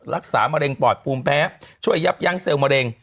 รักษามะเร็งปอดภูมิแพ้ช่วยยับยั้งเซลล์มะเร็ง